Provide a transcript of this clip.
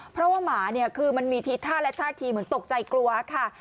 เพราะว่าหมาเนี่ยคือมันมีทีท่าและท่าทีเหมือนตกใจกลัวค่ะ